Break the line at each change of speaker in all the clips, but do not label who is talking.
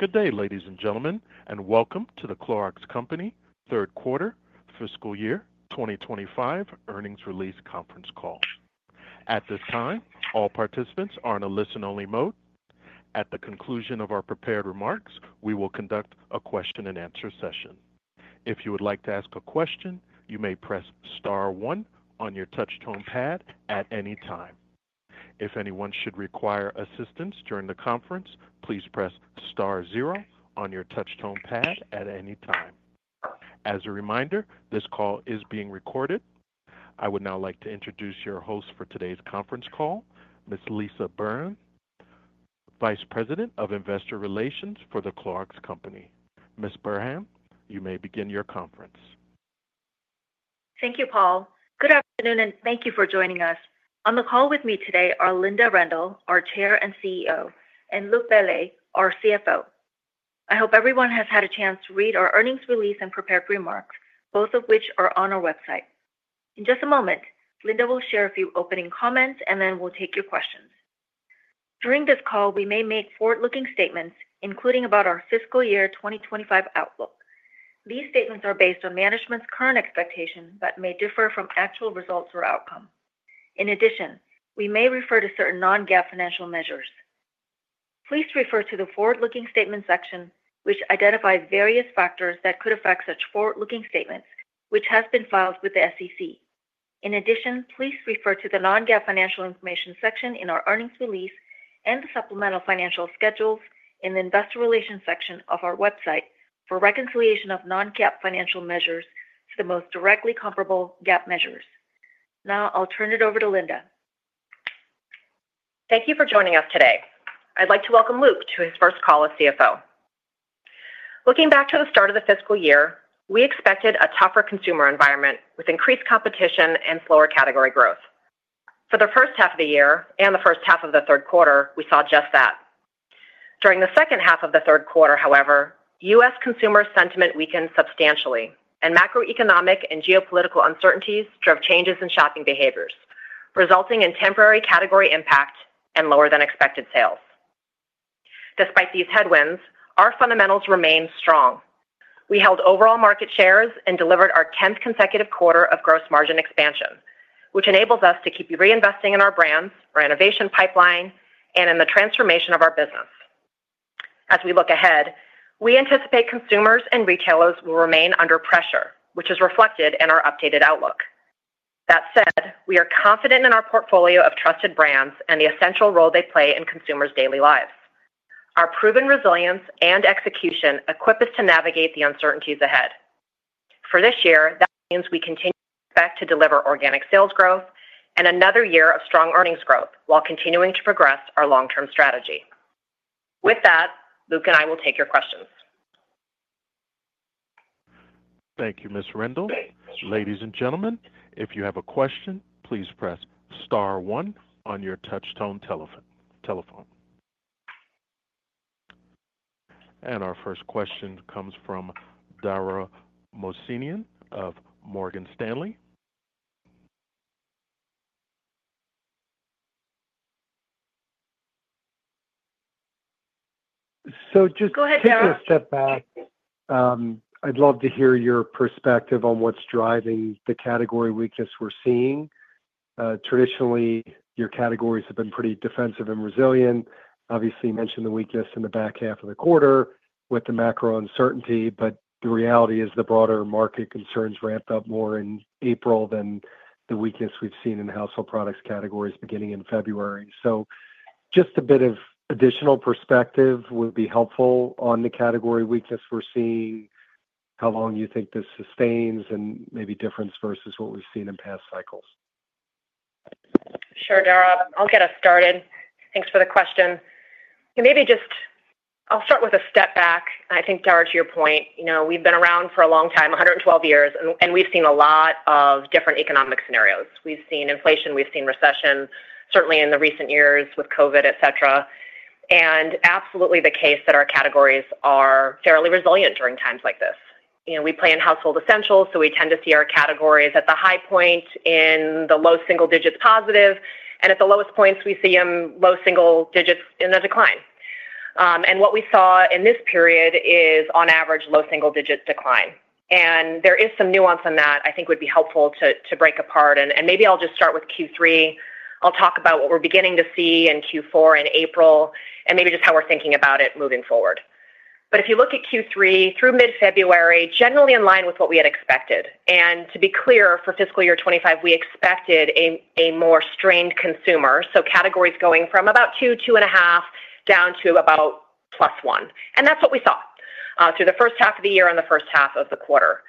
Good day, ladies and gentlemen, and welcome to the Clorox Company Third Quarter Fiscal Year 2025 Earnings Release Conference Call. At this time, all participants are in a listen-only mode. At the conclusion of our prepared remarks, we will conduct a question-and-answer session. If you would like to ask a question, you may press Star 1 on your touchtone pad at any time. If anyone should require assistance during the conference, please press Star 0 on your touchtone pad at any time. As a reminder, this call is being recorded. I would now like to introduce your host for today's conference call, Ms. Lisah Burhan, Vice President of Investor Relations for the Clorox Company. Ms. Burhan, you may begin your conference.
Thank you, Paul. Good afternoon, and thank you for joining us. On the call with me today are Linda Rendle, our Chair and CEO, and Luc Bellet, our CFO. I hope everyone has had a chance to read our earnings release and prepared remarks, both of which are on our website. In just a moment, Linda will share a few opening comments, and then we'll take your questions. During this call, we may make forward-looking statements, including about our fiscal year 2025 outlook. These statements are based on management's current expectations but may differ from actual results or outcome. In addition, we may refer to certain non-GAAP financial measures. Please refer to the forward-looking statements section, which identifies various factors that could affect such forward-looking statements, which has been filed with the SEC. In addition, please refer to the non-GAAP financial information section in our earnings release and the supplemental financial schedules in the investor relations section of our website for reconciliation of non-GAAP financial measures to the most directly comparable GAAP measures. Now, I'll turn it over to Linda.
Thank you for joining us today. I'd like to welcome Luc to his first call as CFO. Looking back to the start of the fiscal year, we expected a tougher consumer environment with increased competition and slower category growth. For the first half of the year and the first half of the third quarter, we saw just that. During the second half of the third quarter, however, U.S. consumer sentiment weakened substantially, and macroeconomic and geopolitical uncertainties drove changes in shopping behaviors, resulting in temporary category impact and lower-than-expected sales. Despite these headwinds, our fundamentals remained strong. We held overall market shares and delivered our 10th consecutive quarter of gross margin expansion, which enables us to keep reinvesting in our brands, our innovation pipeline, and in the transformation of our business. As we look ahead, we anticipate consumers and retailers will remain under pressure, which is reflected in our updated outlook. That said, we are confident in our portfolio of trusted brands and the essential role they play in consumers' daily lives. Our proven resilience and execution equip us to navigate the uncertainties ahead. For this year, that means we continue to expect to deliver organic sales growth and another year of strong earnings growth while continuing to progress our long-term strategy. With that, Luc and I will take your questions.
Thank you, Ms. Rendle. Ladies and gentlemen, if you have a question, please press Star 1 on your touchtone telephone. Our first question comes from Dara Mohsenian of Morgan Stanley.
So just.
Go ahead, Dara.
Take a step back. I'd love to hear your perspective on what's driving the category weakness we're seeing. Traditionally, your categories have been pretty defensive and resilient. Obviously, you mentioned the weakness in the back half of the quarter with the macro uncertainty, but the reality is the broader market concerns ramped up more in April than the weakness we've seen in household products categories beginning in February. Just a bit of additional perspective would be helpful on the category weakness we're seeing, how long you think this sustains, and maybe difference versus what we've seen in past cycles.
Sure, Dara. I'll get us started. Thanks for the question. Maybe just I'll start with a step back. I think, Dara, to your point, we've been around for a long time, 112 years, and we've seen a lot of different economic scenarios. We've seen inflation, we've seen recession, certainly in the recent years with COVID, et cetera, and absolutely the case that our categories are fairly resilient during times like this. We play in household essentials, so we tend to see our categories at the high point in the low single digits positive, and at the lowest points, we see them low single digits in a decline. What we saw in this period is, on average, low single digit decline. There is some nuance in that I think would be helpful to break apart. Maybe I'll just start with Q3. I'll talk about what we're beginning to see in Q4 in April and maybe just how we're thinking about it moving forward. If you look at Q3 through mid-February, generally in line with what we had expected. To be clear, for fiscal year 2025, we expected a more strained consumer, so categories going from about 2%-2.5% down to about + 1%. That's what we saw through the first half of the year and the first half of the quarter.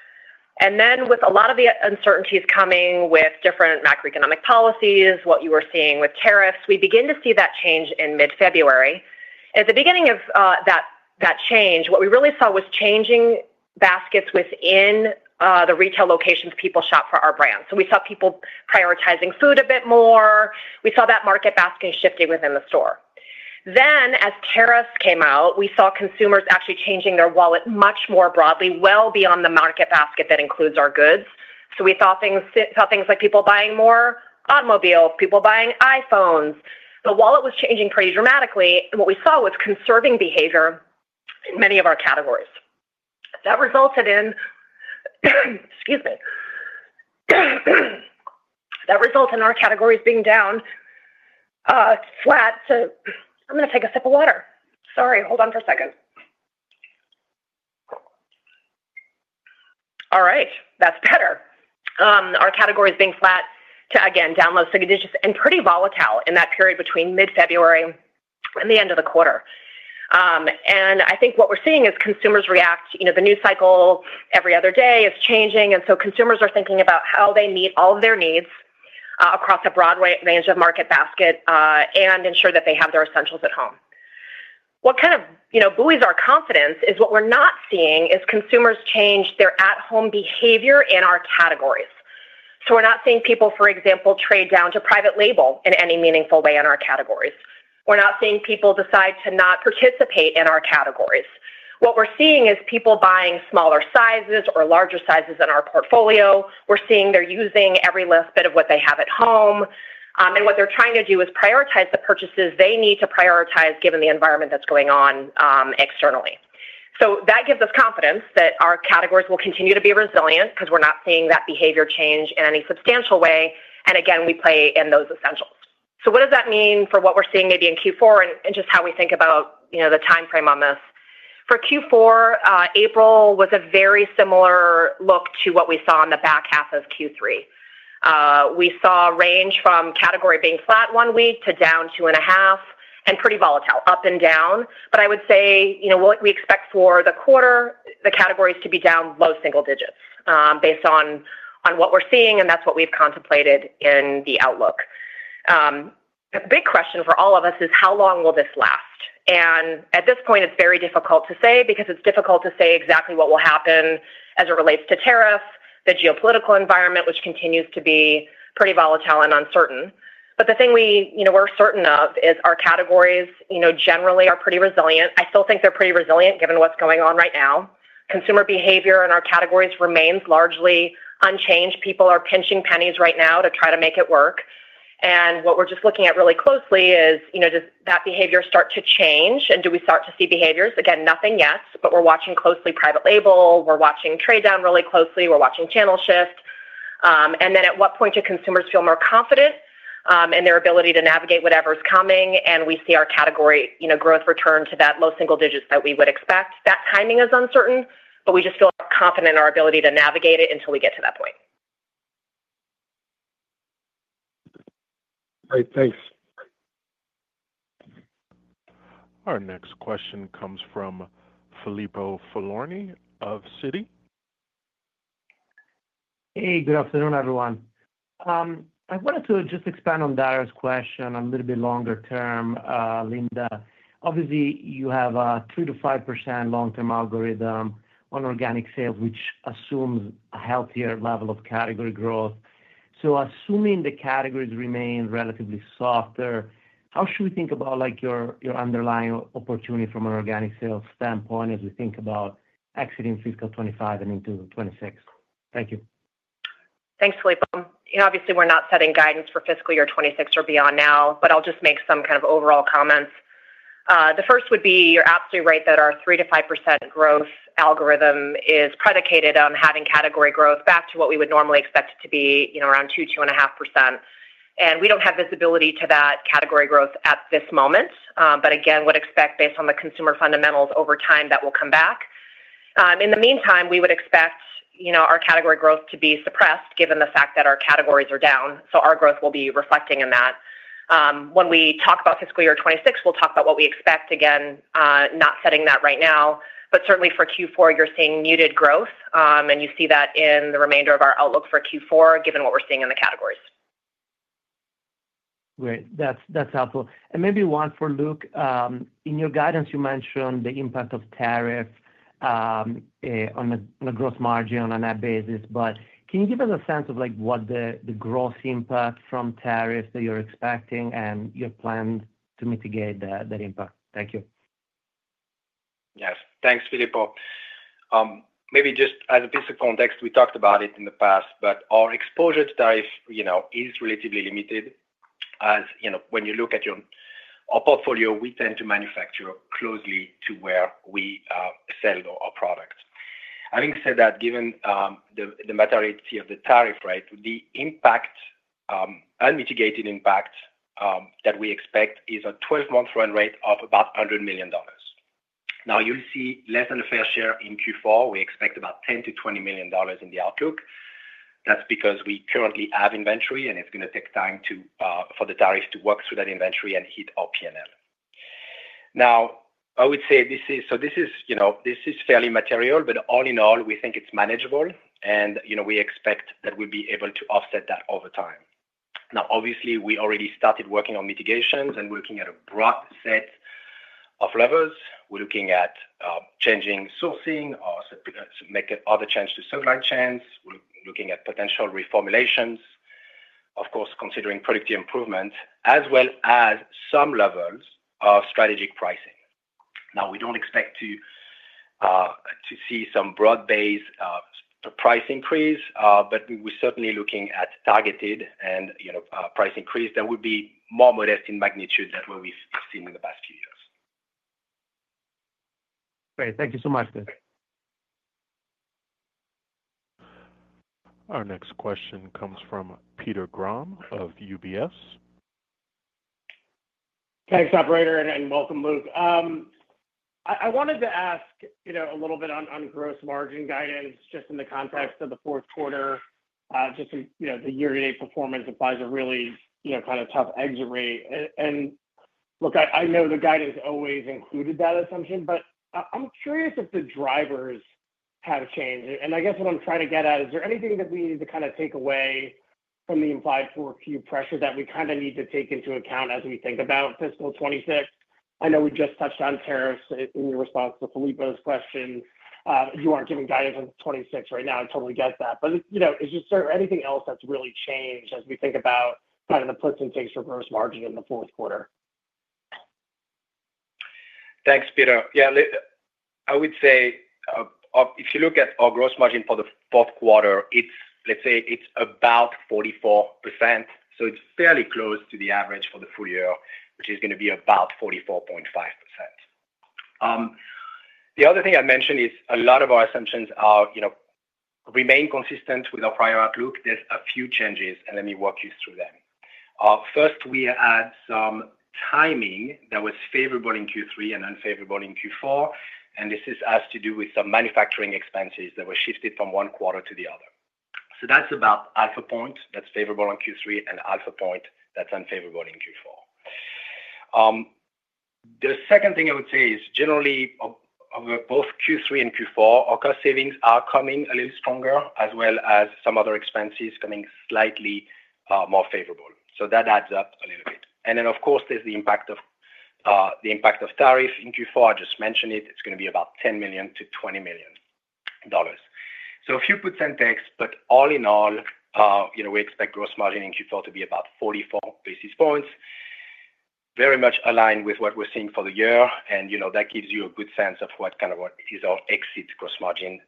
With a lot of the uncertainties coming with different macroeconomic policies, what you were seeing with tariffs, we begin to see that change in mid-February. At the beginning of that change, what we really saw was changing baskets within the retail locations people shop for our brands. We saw people prioritizing food a bit more. We saw that market basket shifting within the store. As tariffs came out, we saw consumers actually changing their wallet much more broadly, well beyond the market basket that includes our goods. We saw things like people buying more automobiles, people buying iPhones. The wallet was changing pretty dramatically, and what we saw was conserving behavior in many of our categories. That resulted in, excuse me, that resulted in our categories being down flat to, I'm going to take a sip of water. Sorry, hold on for a second. All right, that's better. Our categories being flat to, again, down low single digits and pretty volatile in that period between mid-February and the end of the quarter. I think what we're seeing is consumers react. The news cycle every other day is changing, and so consumers are thinking about how they meet all of their needs across a broad range of market baskets and ensure that they have their essentials at home. What kind of buoys our confidence is what we're not seeing is consumers change their at-home behavior in our categories. We're not seeing people, for example, trade down to private label in any meaningful way in our categories. We're not seeing people decide to not participate in our categories. What we're seeing is people buying smaller sizes or larger sizes in our portfolio. We're seeing they're using every little bit of what they have at home. What they're trying to do is prioritize the purchases they need to prioritize given the environment that's going on externally. That gives us confidence that our categories will continue to be resilient because we're not seeing that behavior change in any substantial way. Again, we play in those essentials. What does that mean for what we're seeing maybe in Q4 and just how we think about the timeframe on this? For Q4, April was a very similar look to what we saw in the back half of Q3. We saw a range from category being flat one week to down 2.5% and pretty volatile, up and down. I would say we expect for the quarter, the categories to be down low single digits based on what we're seeing, and that's what we've contemplated in the outlook. The big question for all of us is how long will this last? At this point, it's very difficult to say because it's difficult to say exactly what will happen as it relates to tariffs, the geopolitical environment, which continues to be pretty volatile and uncertain. The thing we're certain of is our categories generally are pretty resilient. I still think they're pretty resilient given what's going on right now. Consumer behavior in our categories remains largely unchanged. People are pinching pennies right now to try to make it work. What we're just looking at really closely is, does that behavior start to change? Do we start to see behaviors? Again, nothing yet, but we're watching closely private label. We're watching trade down really closely. We're watching channel shift. At what point do consumers feel more confident in their ability to navigate whatever's coming and we see our category growth return to that low single digits that we would expect? That timing is uncertain, but we just feel confident in our ability to navigate it until we get to that point.
Great. Thanks. Our next question comes from Filippo Falorni of Citi.
Hey, good afternoon, everyone. I wanted to just expand on Dara's question a little bit longer term, Linda. Obviously, you have a 3%-5% long-term algorithm on organic sales, which assumes a healthier level of category growth. Assuming the categories remain relatively softer, how should we think about your underlying opportunity from an organic sales standpoint as we think about exiting fiscal 2025 and into 2026? Thank you.
Thanks, Filippo. Obviously, we're not setting guidance for fiscal year 2026 or beyond now, but I'll just make some kind of overall comments. The first would be you're absolutely right that our 3%-5% growth algorithm is predicated on having category growth back to what we would normally expect it to be around 2%-2.5%. We don't have visibility to that category growth at this moment, but again, would expect based on the consumer fundamentals over time that will come back. In the meantime, we would expect our category growth to be suppressed given the fact that our categories are down. Our growth will be reflecting in that. When we talk about fiscal year 2026, we'll talk about what we expect again, not setting that right now. For Q4, you're seeing muted growth, and you see that in the remainder of our outlook for Q4 given what we're seeing in the categories.
Great. That's helpful. Maybe one for Luc. In your guidance, you mentioned the impact of tariffs on the gross margin on that basis, but can you give us a sense of what the gross impact from tariffs that you're expecting and your plan to mitigate that impact? Thank you.
Yes. Thanks, Filippo. Maybe just as a piece of context, we talked about it in the past, but our exposure to tariffs is relatively limited. When you look at our portfolio, we tend to manufacture closely to where we sell our products. Having said that, given the materiality of the tariff rate, the impact, unmitigated impact that we expect is a 12-month run rate of about $100 million. Now, you'll see less than a fair share in Q4. We expect about $10 million-$20 million in the outlook. That's because we currently have inventory, and it's going to take time for the tariffs to work through that inventory and hit our P&L. Now, I would say this is fairly material, but all in all, we think it's manageable, and we expect that we'll be able to offset that over time. Now, obviously, we already started working on mitigations and working at a broad set of levels. We're looking at changing sourcing or making other changes to supply chains. We're looking at potential reformulations, of course, considering productivity improvement, as well as some levels of strategic pricing. Now, we don't expect to see some broad-based price increase, but we're certainly looking at targeted and price increase that will be more modest in magnitude than what we've seen in the past few years.
Great. Thank you so much.
Our next question comes from Peter Graham of UBS.
Thanks, operator, and welcome, Luc. I wanted to ask a little bit on gross margin guidance just in the context of the fourth quarter, just the year-to-date performance implies a really kind of tough exit rate. Look, I know the guidance always included that assumption, but I'm curious if the drivers have changed. I guess what I'm trying to get at is, is there anything that we need to kind of take away from the implied for a few pressures that we kind of need to take into account as we think about fiscal 2026? I know we just touched on tariffs in your response to Filippo's question. You aren't giving guidance on 2026 right now. I totally get that. Is there anything else that's really changed as we think about kind of the plusses and takes for gross margin in the fourth quarter?
Thanks, Peter. Yeah, I would say if you look at our gross margin for the fourth quarter, let's say it's about 44%. So it's fairly close to the average for the full year, which is going to be about 44.5%. The other thing I mentioned is a lot of our assumptions remain consistent with our prior outlook. There's a few changes, and let me walk you through them. First, we had some timing that was favorable in Q3 and unfavorable in Q4. This has to do with some manufacturing expenses that were shifted from one quarter to the other. So that's about a point that's favorable on Q3 and a point that's unfavorable in Q4. The second thing I would say is generally over both Q3 and Q4, our cost savings are coming a little stronger, as well as some other expenses coming slightly more favorable. That adds up a little bit. Of course, there's the impact of tariffs in Q4. I just mentioned it. It's going to be about $10 million-$20 million. A few percent takes, but all in all, we expect gross margin in Q4 to be about 44 basis points, very much aligned with what we're seeing for the year. That gives you a good sense of what kind of what is our exit gross margin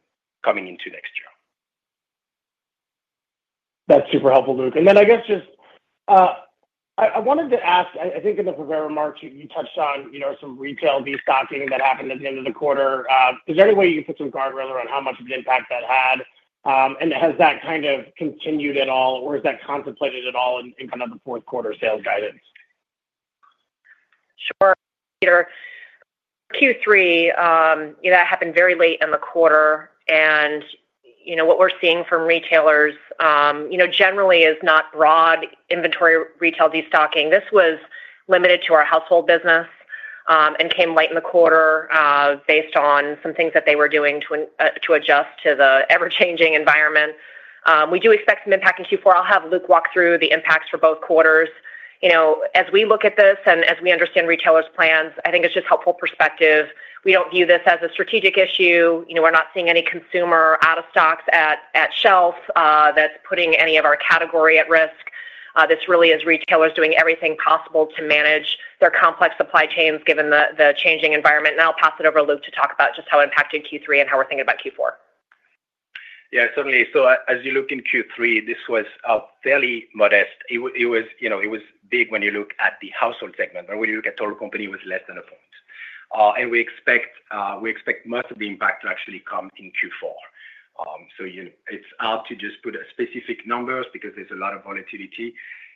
coming into next year.
That's super helpful, Luc. I guess just I wanted to ask, I think in the prevailing market, you touched on some retail destocking that happened at the end of the quarter. Is there any way you can put some guardrails around how much of an impact that had? Has that kind of continued at all, or is that contemplated at all in kind of the fourth quarter sales guidance?
Sure. Q3, that happened very late in the quarter. What we're seeing from retailers generally is not broad inventory retail destocking. This was limited to our household business and came late in the quarter based on some things that they were doing to adjust to the ever-changing environment. We do expect some impact in Q4. I'll have Luc walk through the impacts for both quarters. As we look at this and as we understand retailers' plans, I think it's just helpful perspective. We don't view this as a strategic issue. We're not seeing any consumer out of stocks at shelf that's putting any of our category at risk. This really is retailers doing everything possible to manage their complex supply chains given the changing environment. I'll pass it over to Luc to talk about just how it impacted Q3 and how we're thinking about Q4.
Yeah, certainly. As you look in Q3, this was fairly modest. It was big when you look at the household segment. When you look at total company, it was less than a point. We expect most of the impact to actually come in Q4. It's hard to just put specific numbers because there's a lot of volatility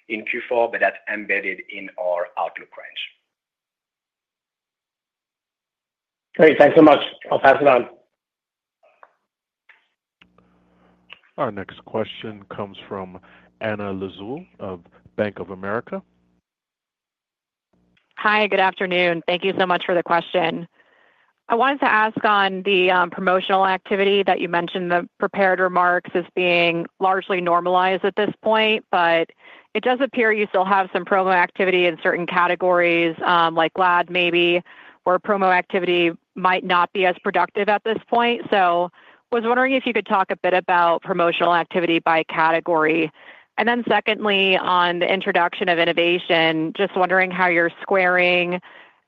in Q4, but that's embedded in our outlook range.
Great. Thanks so much. I'll pass it on.
Our next question comes from Anna Lazul of Bank of America.
Hi, good afternoon. Thank you so much for the question. I wanted to ask on the promotional activity that you mentioned, the prepared remarks as being largely normalized at this point, but it does appear you still have some promo activity in certain categories like Glad maybe, where promo activity might not be as productive at this point. I was wondering if you could talk a bit about promotional activity by category. Secondly, on the introduction of innovation, just wondering how you're squaring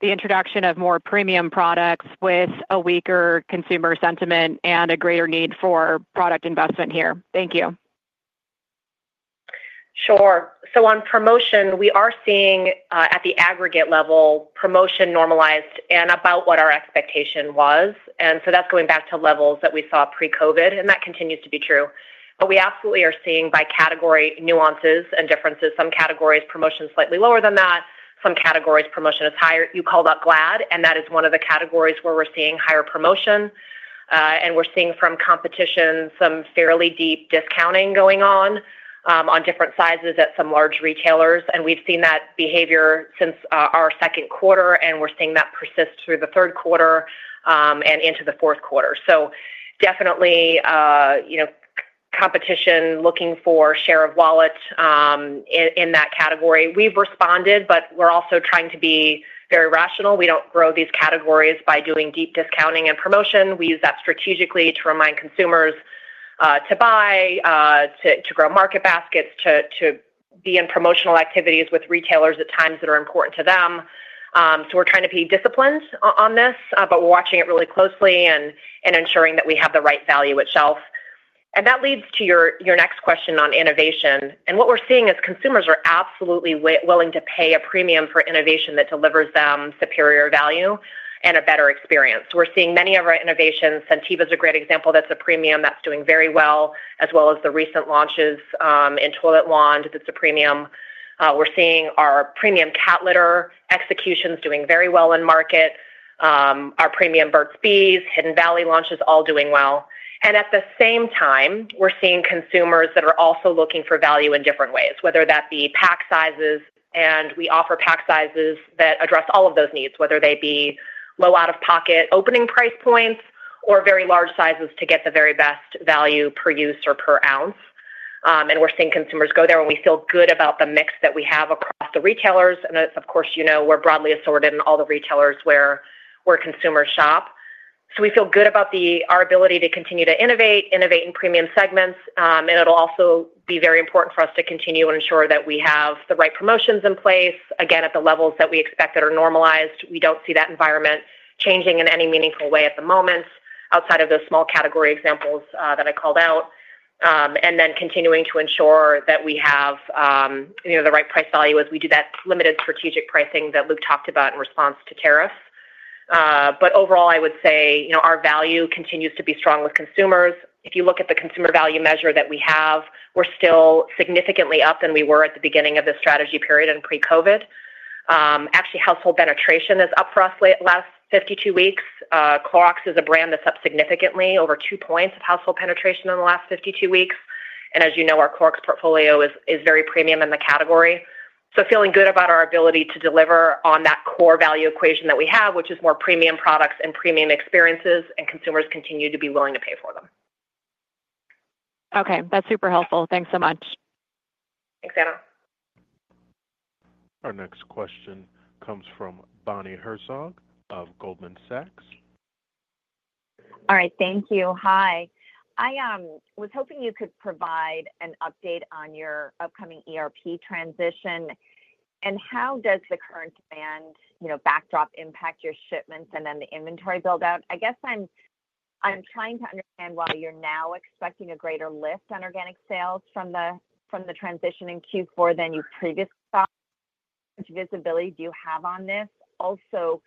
the introduction of more premium products with a weaker consumer sentiment and a greater need for product investment here. Thank you.
Sure. On promotion, we are seeing at the aggregate level, promotion normalized and about what our expectation was. That is going back to levels that we saw pre-COVID, and that continues to be true. We absolutely are seeing by category nuances and differences. Some categories promotion slightly lower than that. Some categories promotion is higher. You called up Glad, and that is one of the categories where we're seeing higher promotion. We are seeing from competition some fairly deep discounting going on on different sizes at some large retailers. We have seen that behavior since our second quarter, and we are seeing that persist through the third quarter and into the fourth quarter. Definitely competition looking for share of wallet in that category. We have responded, but we are also trying to be very rational. We do not grow these categories by doing deep discounting and promotion. We use that strategically to remind consumers to buy, to grow market baskets, to be in promotional activities with retailers at times that are important to them. We are trying to be disciplined on this, but we are watching it really closely and ensuring that we have the right value itself. That leads to your next question on innovation. What we are seeing is consumers are absolutely willing to pay a premium for innovation that delivers them superior value and a better experience. We are seeing many of our innovations. Scentiva is a great example. That is a premium that is doing very well, as well as the recent launches in Toilet Wand that is a premium. We are seeing our premium cat litter executions doing very well in market. Our premium Burt's Bees, Hidden Valley launches all doing well. At the same time, we're seeing consumers that are also looking for value in different ways, whether that be pack sizes. We offer pack sizes that address all of those needs, whether they be low out-of-pocket opening price points or very large sizes to get the very best value per use or per ounce. We're seeing consumers go there. We feel good about the mix that we have across the retailers. Of course, we're broadly assorted in all the retailers where consumers shop. We feel good about our ability to continue to innovate, innovate in premium segments. It'll also be very important for us to continue and ensure that we have the right promotions in place, again, at the levels that we expect that are normalized. We do not see that environment changing in any meaningful way at the moment outside of those small category examples that I called out. Continuing to ensure that we have the right price value as we do that limited strategic pricing that Luc talked about in response to tariffs. Overall, I would say our value continues to be strong with consumers. If you look at the consumer value measure that we have, we are still significantly up than we were at the beginning of the strategy period and pre-COVID. Actually, household penetration is up for us last 52 weeks. Clorox is a brand that is up significantly, over two points of household penetration in the last 52 weeks. As you know, our Clorox portfolio is very premium in the category. Feeling good about our ability to deliver on that core value equation that we have, which is more premium products and premium experiences, and consumers continue to be willing to pay for them.
Okay. That's super helpful. Thanks so much.
Thanks, Anna.
Our next question comes from Bonnie Herzog of Goldman Sachs.
All right. Thank you. Hi. I was hoping you could provide an update on your upcoming ERP transition. How does the current demand backdrop impact your shipments and then the inventory build-out? I guess I'm trying to understand why you're now expecting a greater lift on organic sales from the transition in Q4 than you previously thought. What visibility do you have on this? Also,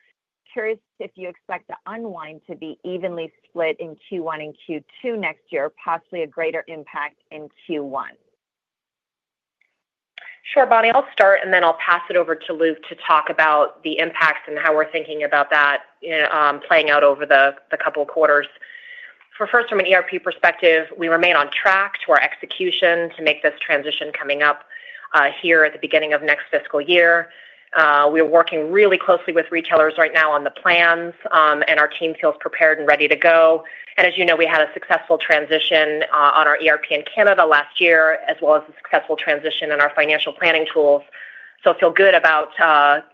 curious if you expect the unwind to be evenly split in Q1 and Q2 next year, possibly a greater impact in Q1.
Sure, Bonnie. I'll start, and then I'll pass it over to Luc to talk about the impacts and how we're thinking about that playing out over the couple of quarters. First, from an ERP perspective, we remain on track to our execution to make this transition coming up here at the beginning of next fiscal year. We are working really closely with retailers right now on the plans, and our team feels prepared and ready to go. As you know, we had a successful transition on our ERP in Canada last year, as well as a successful transition in our financial planning tools. I feel good about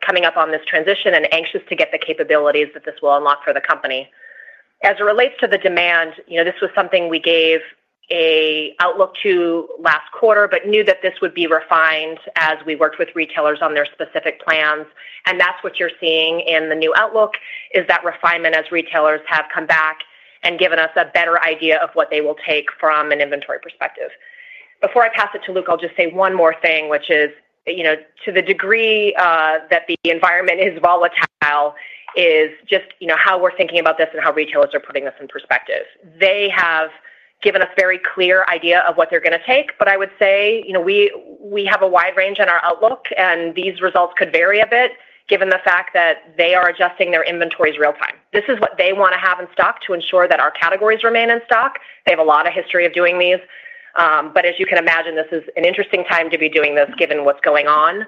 coming up on this transition and anxious to get the capabilities that this will unlock for the company. As it relates to the demand, this was something we gave an outlook to last quarter, but knew that this would be refined as we worked with retailers on their specific plans. That is what you're seeing in the new outlook, is that refinement as retailers have come back and given us a better idea of what they will take from an inventory perspective. Before I pass it to Luc, I'll just say one more thing, which is to the degree that the environment is volatile is just how we're thinking about this and how retailers are putting this in perspective. They have given us a very clear idea of what they're going to take, but I would say we have a wide range in our outlook, and these results could vary a bit given the fact that they are adjusting their inventories real-time. This is what they want to have in stock to ensure that our categories remain in stock. They have a lot of history of doing these. As you can imagine, this is an interesting time to be doing this given what's going on.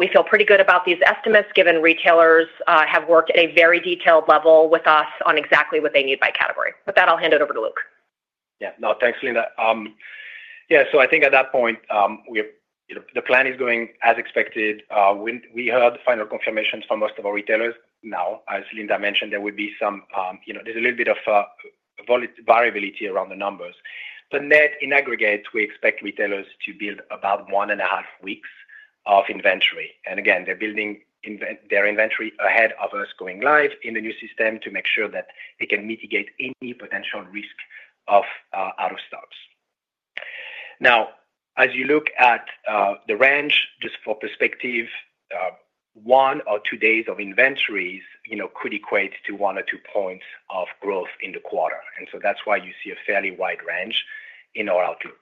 We feel pretty good about these estimates given retailers have worked at a very detailed level with us on exactly what they need by category. With that, I'll hand it over to Luc.
Yeah. No, thanks, Linda. Yeah. I think at that point, the plan is going as expected. We heard final confirmations from most of our retailers. Now, as Linda mentioned, there would be some, there's a little bit of variability around the numbers. But net, in aggregate, we expect retailers to build about one and a half weeks of inventory. Again, they're building their inventory ahead of us going live in the new system to make sure that they can mitigate any potential risk of out-of-stocks. Now, as you look at the range, just for perspective, one or two days of inventories could equate to one or two points of growth in the quarter. That is why you see a fairly wide range in our outlook.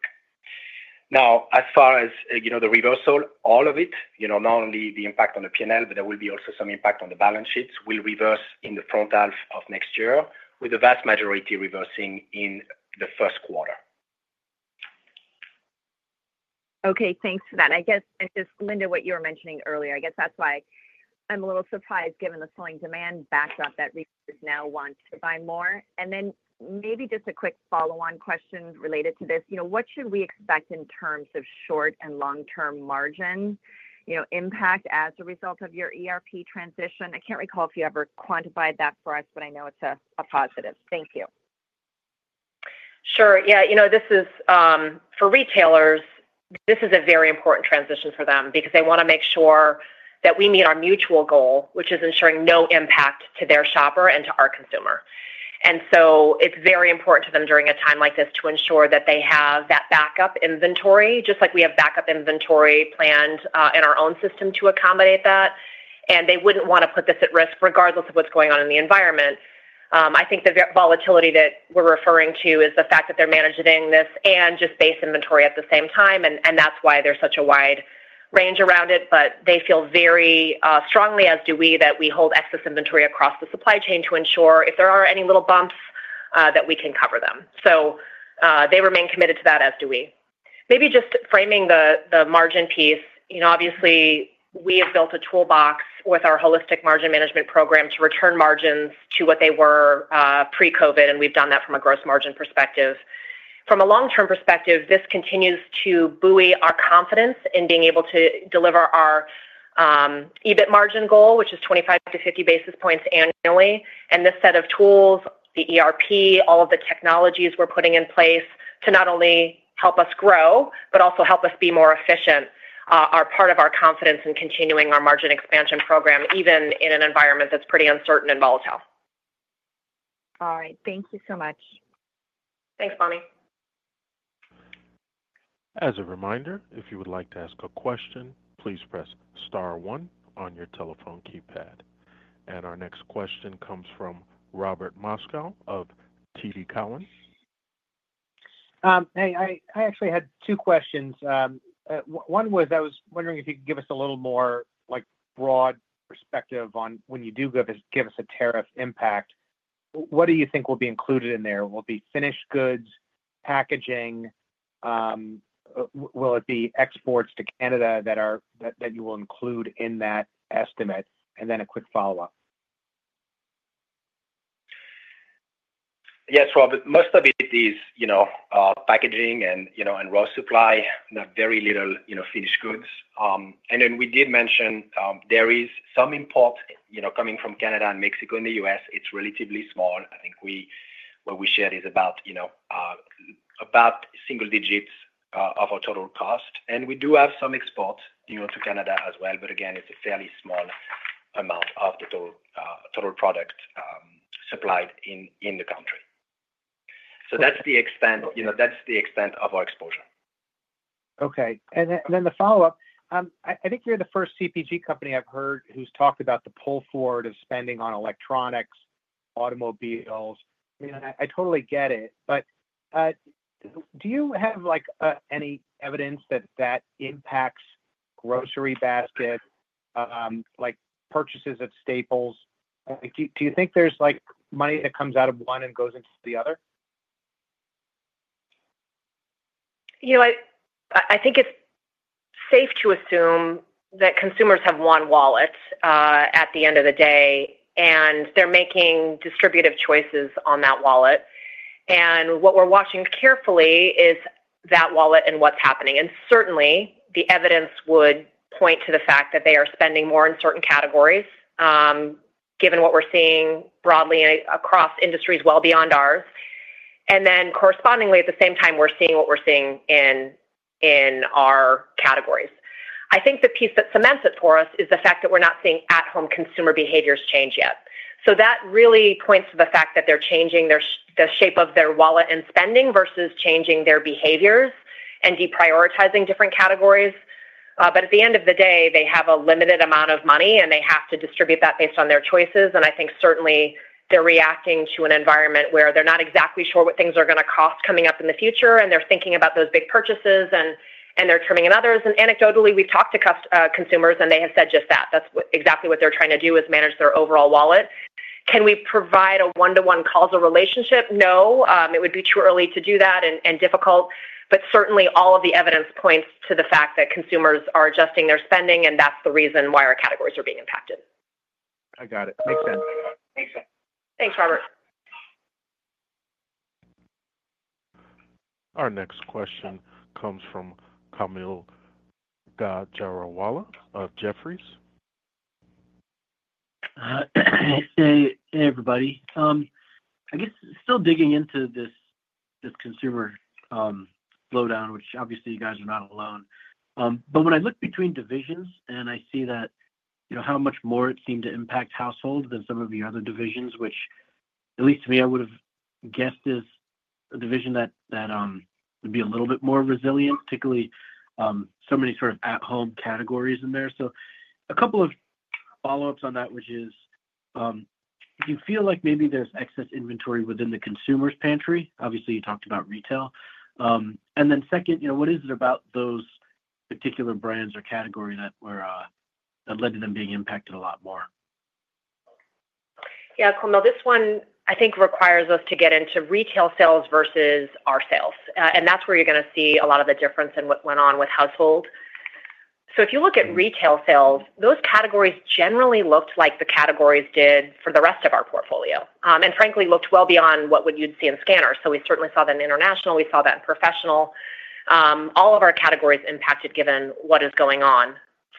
Now, as far as the reversal, all of it, not only the impact on the P&L, but there will be also some impact on the balance sheets, will reverse in the front half of next year, with the vast majority reversing in the first quarter.
Okay. Thanks for that. I guess, Linda, what you were mentioning earlier, I guess that's why I'm a little surprised given the slowing demand backdrop that retailers now want to buy more. Maybe just a quick follow-on question related to this. What should we expect in terms of short and long-term margin impact as a result of your ERP transition? I can't recall if you ever quantified that for us, but I know it's a positive. Thank you.
Sure. For retailers, this is a very important transition for them because they want to make sure that we meet our mutual goal, which is ensuring no impact to their shopper and to our consumer. It is very important to them during a time like this to ensure that they have that backup inventory, just like we have backup inventory planned in our own system to accommodate that. They would not want to put this at risk regardless of what is going on in the environment. I think the volatility that we are referring to is the fact that they are managing this and just base inventory at the same time. That is why there is such a wide range around it. They feel very strongly, as do we, that we hold excess inventory across the supply chain to ensure if there are any little bumps that we can cover them. They remain committed to that, as do we. Maybe just framing the margin piece. Obviously, we have built a toolbox with our holistic margin management program to return margins to what they were pre-COVID, and we've done that from a gross margin perspective. From a long-term perspective, this continues to buoy our confidence in being able to deliver our EBIT margin goal, which is 25-50 basis points annually. This set of tools, the ERP, all of the technologies we're putting in place to not only help us grow, but also help us be more efficient are part of our confidence in continuing our margin expansion program, even in an environment that's pretty uncertain and volatile.
All right. Thank you so much.
Thanks, Bonnie.
As a reminder, if you would like to ask a question, please press star one on your telephone keypad. Our next question comes from Robert Moskow of TD Cowen.
Hey, I actually had two questions. One was I was wondering if you could give us a little more broad perspective on when you do give us a tariff impact. What do you think will be included in there? Will it be finished goods, packaging? Will it be exports to Canada that you will include in that estimate? I have a quick follow-up.
Yes, Rob. Most of it is packaging and raw supply, not very little finished goods. We did mention there is some import coming from Canada and Mexico in the U.S. It's relatively small. I think what we shared is about single digits of our total cost. We do have some exports to Canada as well. Again, it's a fairly small amount of the total product supplied in the country. That's the extent of our exposure.
Okay. The follow-up. I think you're the first CPG company I've heard who's talked about the pull forward of spending on electronics, automobiles. I mean, I totally get it. Do you have any evidence that that impacts grocery basket, purchases of staples? Do you think there's money that comes out of one and goes into the other?
I think it's safe to assume that consumers have one wallet at the end of the day, and they're making distributive choices on that wallet. What we're watching carefully is that wallet and what's happening. Certainly, the evidence would point to the fact that they are spending more in certain categories, given what we're seeing broadly across industries well beyond ours. Correspondingly, at the same time, we're seeing what we're seeing in our categories. I think the piece that cements it for us is the fact that we're not seeing at-home consumer behaviors change yet. That really points to the fact that they're changing the shape of their wallet and spending versus changing their behaviors and deprioritizing different categories. At the end of the day, they have a limited amount of money, and they have to distribute that based on their choices. I think certainly they're reacting to an environment where they're not exactly sure what things are going to cost coming up in the future, and they're thinking about those big purchases, and they're trimming others. Anecdotally, we've talked to consumers, and they have said just that. That's exactly what they're trying to do is manage their overall wallet. Can we provide a one-to-one causal relationship? No. It would be too early to do that and difficult. Certainly, all of the evidence points to the fact that consumers are adjusting their spending, and that's the reason why our categories are being impacted.
I got it. Makes sense.
Makes sense. Thanks, Robert.
Our next question comes from Kaumil Gajrawala of Jefferies.
Hey, everybody. I guess still digging into this consumer slowdown, which obviously you guys are not alone. When I look between divisions, and I see how much more it seemed to impact households than some of the other divisions, which at least to me, I would have guessed is a division that would be a little bit more resilient, particularly so many sort of at-home categories in there. A couple of follow-ups on that, which is do you feel like maybe there's excess inventory within the consumer's pantry? Obviously, you talked about retail. Second, what is it about those particular brands or categories that led to them being impacted a lot more?
Yeah. Kaumil, this one I think requires us to get into retail sales versus our sales. That is where you're going to see a lot of the difference in what went on with household. If you look at retail sales, those categories generally looked like the categories did for the rest of our portfolio. Frankly, looked well beyond what you'd see in scanners. We certainly saw that in international. We saw that in professional. All of our categories impacted given what is going on.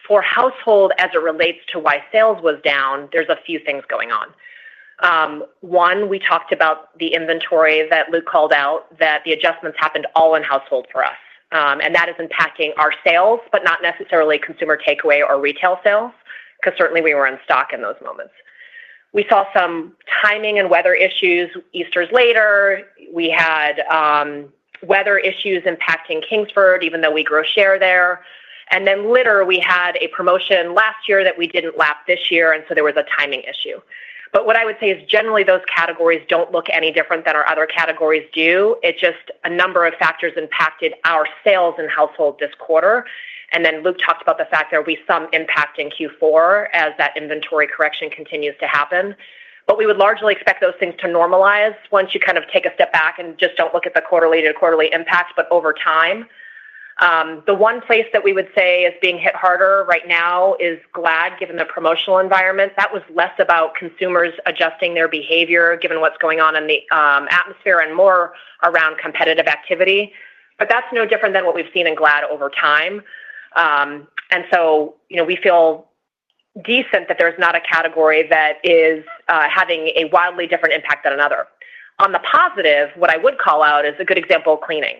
For household, as it relates to why sales was down, there's a few things going on. One, we talked about the inventory that Luc called out, that the adjustments happened all in household for us. That is impacting our sales, but not necessarily consumer takeaway or retail sales, because certainly we were in stock in those moments. We saw some timing and weather issues. Easter's later. We had weather issues impacting Kingsford, even though we grow share there. Then litter, we had a promotion last year that we didn't lap this year, and so there was a timing issue. What I would say is generally those categories don't look any different than our other categories do. It's just a number of factors impacted our sales and household this quarter. Luc talked about the fact there will be some impact in Q4 as that inventory correction continues to happen. We would largely expect those things to normalize once you kind of take a step back and just don't look at the quarterly to quarterly impacts, but over time. The one place that we would say is being hit harder right now is Glad, given the promotional environment. That was less about consumers adjusting their behavior, given what's going on in the atmosphere, and more around competitive activity. That's no different than what we've seen in Glad over time. We feel decent that there's not a category that is having a wildly different impact than another. On the positive, what I would call out is a good example of cleaning.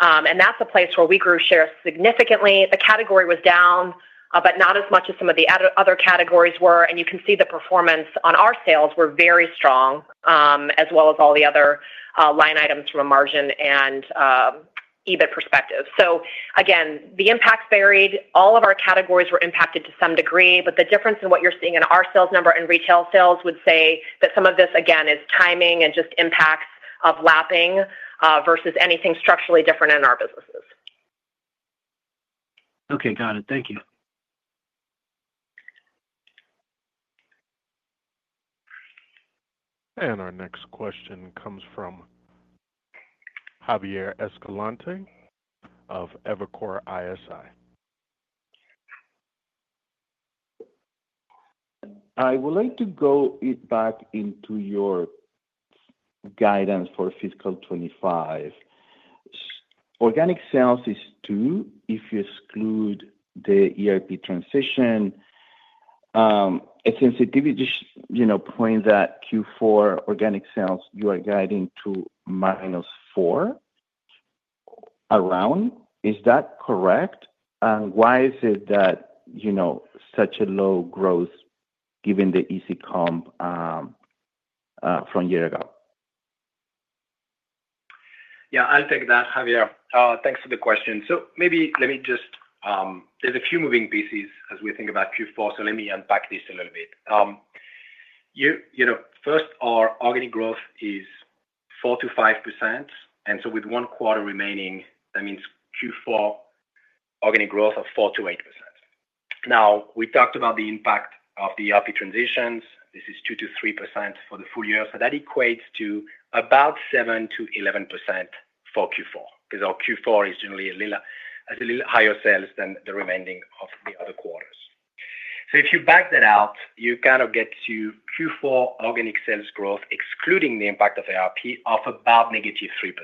That's a place where we grew share significantly. The category was down, but not as much as some of the other categories were. You can see the performance on our sales were very strong, as well as all the other line items from a margin and EBIT perspective. Again, the impacts varied. All of our categories were impacted to some degree. The difference in what you're seeing in our sales number and retail sales would say that some of this, again, is timing and just impacts of lapping versus anything structurally different in our businesses.
Okay. Got it. Thank you.
Our next question comes from Javier Escalante of Evercore ISI.
I would like to go back into your guidance for fiscal 2025. Organic sales is 2% if you exclude the ERP transition. A sensitivity point that Q4 organic sales, you are guiding to - 4% around. Is that correct? Why is it that such a low growth given the easy comp from a year ago?
Yeah. I'll take that, Javier. Thanks for the question. Maybe let me just, there's a few moving pieces as we think about Q4. Let me unpack this a little bit. First, our organic growth is 4%-5%. With one quarter remaining, that means Q4 organic growth of 4%-8%. We talked about the impact of the ERP transitions. This is 2%-3% for the full year. That equates to about 7%-11% for Q4 because our Q4 is generally a little higher sales than the remaining of the other quarters. If you back that out, you kind of get to Q4 organic sales growth, excluding the impact of ERP, of about negative 3%.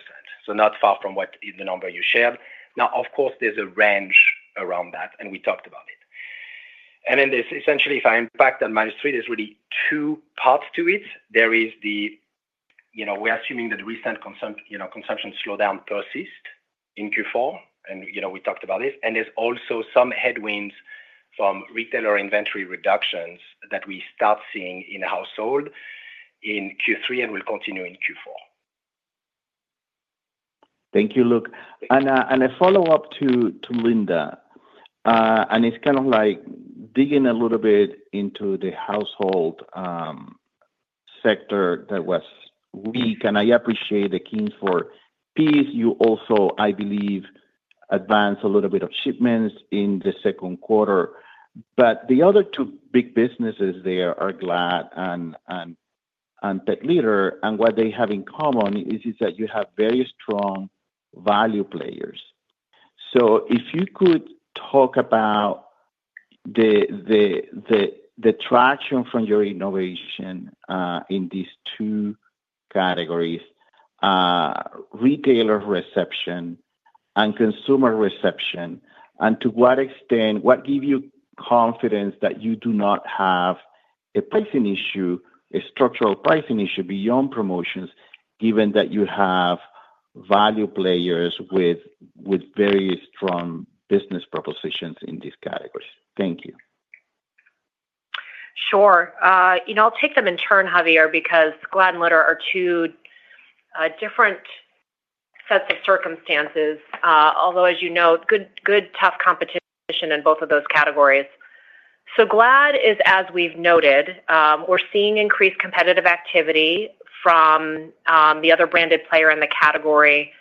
Not far from what the number you shared. Of course, there's a range around that, and we talked about it. Essentially, if I impact that minus three, there's really two parts to it. We're assuming that recent consumption slowdown persists in Q4. We talked about this. There's also some headwinds from retailer inventory reductions that we start seeing in household in Q3 and will continue in Q4.
Thank you, Luc. A follow-up to Linda. It's kind of like digging a little bit into the household sector that was weak. I appreciate the Kingsford piece. You also, I believe, advanced a little bit of shipments in the second quarter. The other two big businesses there, Glad and Pet Litter, and what they have in common is that you have very strong value players. If you could talk about the traction from your innovation in these two categories: retailer reception and consumer reception, and to what extent what gives you confidence that you do not have a pricing issue, a structural pricing issue beyond promotions, given that you have value players with very strong business propositions in these categories? Thank you.
Sure. I'll take them in turn, Javier, because Glad and Litter are two different sets of circumstances, although, as you know, good, tough competition in both of those categories. Glad is, as we've noted, we're seeing increased competitive activity from the other branded player in the category,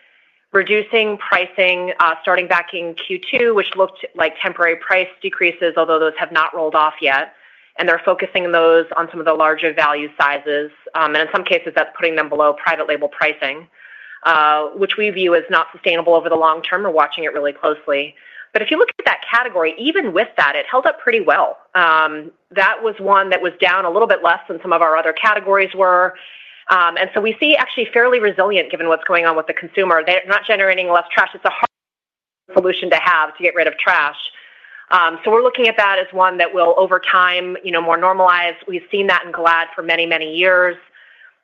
reducing pricing, starting back in Q2, which looked like temporary price decreases, although those have not rolled off yet. They're focusing on those on some of the larger value sizes. In some cases, that's putting them below private label pricing, which we view as not sustainable over the long term. We're watching it really closely. If you look at that category, even with that, it held up pretty well. That was one that was down a little bit less than some of our other categories were. We see actually fairly resilient given what's going on with the consumer. They're not generating less trash. It's a hard solution to have to get rid of trash. We are looking at that as one that will, over time, more normalize. We've seen that in Glad for many, many years.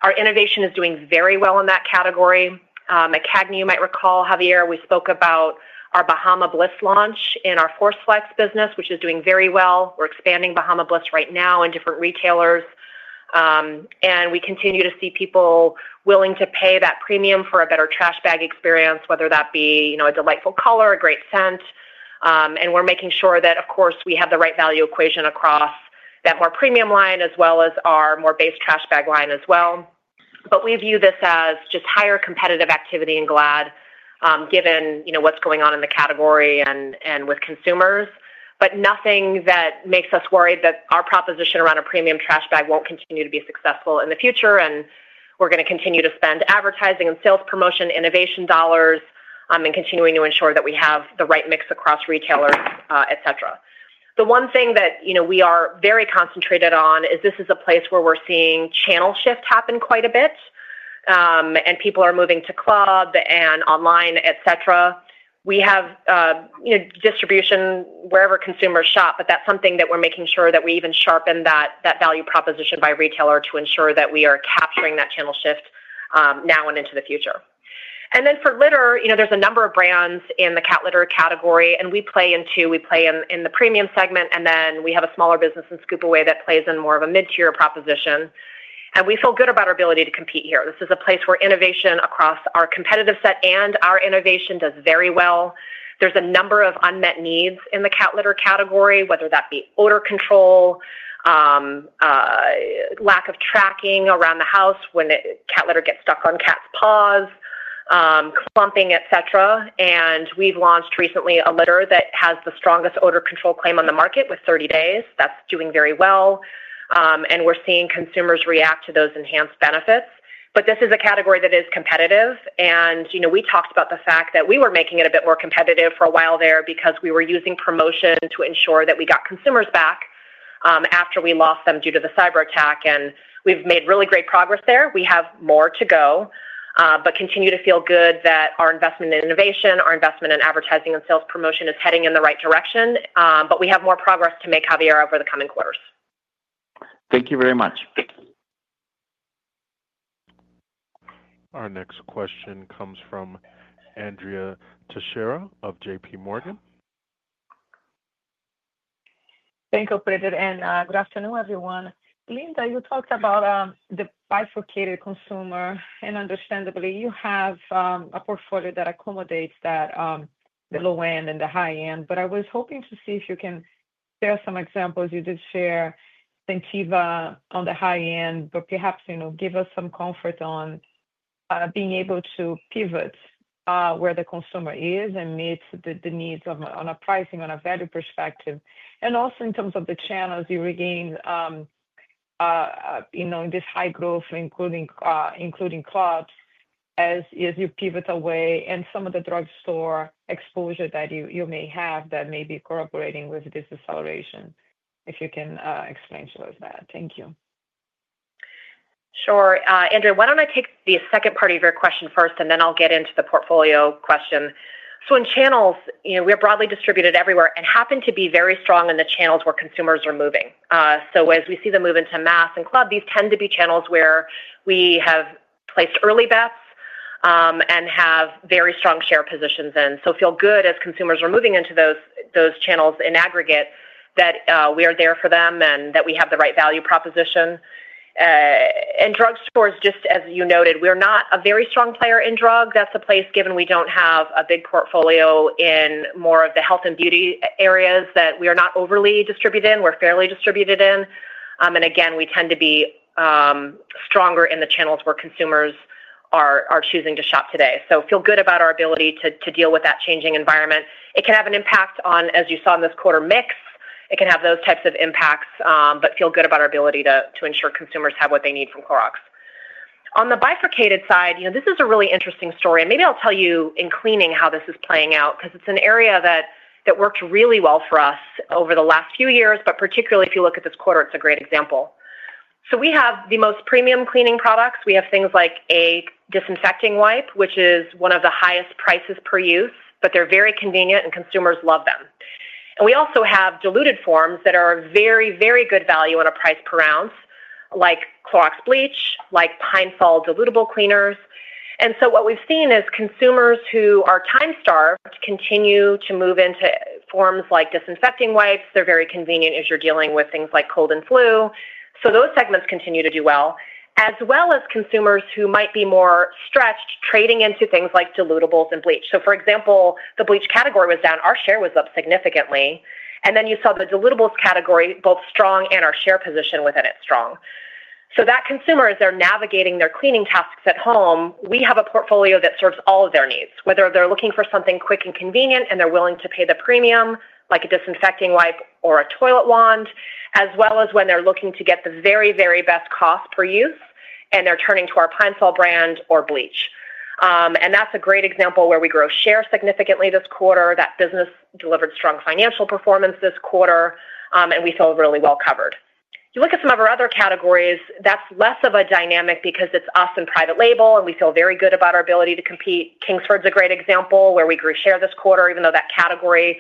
Our innovation is doing very well in that category. McKagney, you might recall, Javier, we spoke about our Bahama Bliss launch in our Force Flex business, which is doing very well. We are expanding Bahama Bliss right now in different retailers. We continue to see people willing to pay that premium for a better trash bag experience, whether that be a delightful color, a great scent. We are making sure that, of course, we have the right value equation across that more premium line as well as our more base trash bag line as well. We view this as just higher competitive activity in Glad given what's going on in the category and with consumers. Nothing makes us worried that our proposition around a premium trash bag won't continue to be successful in the future. We're going to continue to spend advertising and sales promotion, innovation dollars, and continue to ensure that we have the right mix across retailers, etc. The one thing that we are very concentrated on is this is a place where we're seeing channel shift happen quite a bit. People are moving to club and online, etc. We have distribution wherever consumers shop, but that's something that we're making sure that we even sharpen that value proposition by retailer to ensure that we are capturing that channel shift now and into the future. For litter, there's a number of brands in the cat litter category. We play in two. We play in the premium segment, and then we have a smaller business in Scoop Away that plays in more of a mid-tier proposition. We feel good about our ability to compete here. This is a place where innovation across our competitive set and our innovation does very well. There's a number of unmet needs in the cat litter category, whether that be odor control, lack of tracking around the house when cat litter gets stuck on cat's paws, clumping, etc. We've launched recently a litter that has the strongest odor control claim on the market with 30 days. That's doing very well. We're seeing consumers react to those enhanced benefits. This is a category that is competitive. We talked about the fact that we were making it a bit more competitive for a while there because we were using promotion to ensure that we got consumers back after we lost them due to the cyber attack. We have made really great progress there. We have more to go, but continue to feel good that our investment in innovation, our investment in advertising and sales promotion is heading in the right direction. We have more progress to make, Javier, over the coming quarters.
Thank you very much.
Our next question comes from Andrea Teixeira of JPMorgan.
Thank you, Brendan. Good afternoon, everyone. Linda, you talked about the bifurcated consumer. Understandably, you have a portfolio that accommodates the low-end and the high-end. I was hoping to see if you can share some examples. You did share Scentiva on the high-end, perhaps give us some comfort on being able to pivot where the consumer is and meet the needs on a pricing, on a value perspective. Also in terms of the channels you regained in this high growth, including clubs, as you pivot away and some of the drugstore exposure that you may have that may be corroborating with this acceleration, if you can explain to us that. Thank you.
Sure. Andrea, why don't I take the second part of your question first, and then I'll get into the portfolio question. In channels, we are broadly distributed everywhere and happen to be very strong in the channels where consumers are moving. As we see them move into mass and club, these tend to be channels where we have placed early bets and have very strong share positions. I feel good as consumers are moving into those channels in aggregate that we are there for them and that we have the right value proposition. In drugstores, just as you noted, we're not a very strong player in drugs. That's a place, given we don't have a big portfolio in more of the health and beauty areas, that we are not overly distributed in. We're fairly distributed in. We tend to be stronger in the channels where consumers are choosing to shop today. I feel good about our ability to deal with that changing environment. It can have an impact on, as you saw in this quarter, mix. It can have those types of impacts, but I feel good about our ability to ensure consumers have what they need from Clorox. On the bifurcated side, this is a really interesting story. Maybe I'll tell you in cleaning how this is playing out because it's an area that worked really well for us over the last few years, but particularly if you look at this quarter, it's a great example. We have the most premium cleaning products. We have things like a disinfecting wipe, which is one of the highest prices per use, but they're very convenient and consumers love them. We also have diluted forms that are very, very good value at a price per ounce, like Clorox Bleach, like Pine-Sol dilutable cleaners. What we have seen is consumers who are time-starved continue to move into forms like disinfecting wipes. They are very convenient as you are dealing with things like cold and flu. Those segments continue to do well, as well as consumers who might be more stretched trading into things like dilutables and bleach. For example, the bleach category was down. Our share was up significantly. Then you saw the dilutables category, both strong and our share position within it strong. That consumer is there navigating their cleaning tasks at home. We have a portfolio that serves all of their needs, whether they're looking for something quick and convenient and they're willing to pay the premium, like a disinfecting wipe or a Toilet Wand, as well as when they're looking to get the very, very best cost per use, and they're turning to our Pine-Sol brand or bleach. That's a great example where we grow share significantly this quarter. That business delivered strong financial performance this quarter, and we feel really well covered. If you look at some of our other categories, that's less of a dynamic because it's us and private label, and we feel very good about our ability to compete. Kingsford's a great example where we grew share this quarter, even though that category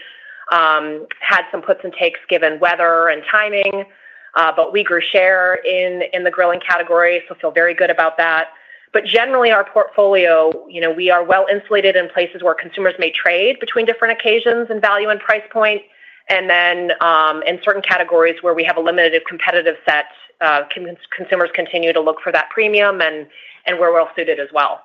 had some puts and takes given weather and timing. We grew share in the grilling category, so feel very good about that. Generally, our portfolio, we are well insulated in places where consumers may trade between different occasions and value and price point. In certain categories where we have a limited competitive set, consumers continue to look for that premium and we're well suited as well.